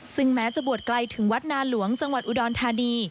ซึ่งแม้จะบวชไกลถึงวัดนาหลวงจังหวัดอุดรธานี